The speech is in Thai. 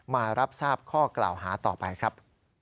มารับทราบข้อกล่าวหาต่อไปครับ